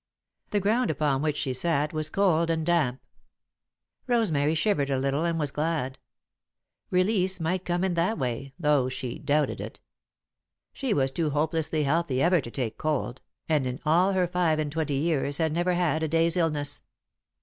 The ground upon which she sat was cold and damp. Rosemary shivered a little and was glad. Release might come in that way, though she doubted it. She was too hopelessly healthy ever to take cold, and in all her five and twenty years had never had a day's illness.